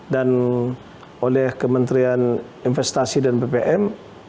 dan oleh kementerian investasi dan bpn